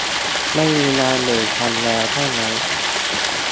ไม่มีงานอื่นทำแล้วใช่มั้ย